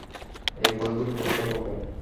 এই বইগুলি পড়তে বলবেন।